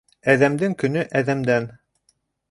Әҙәмдең көнө әҙәмдән.